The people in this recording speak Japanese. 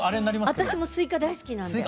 私もすいか大好きなんで。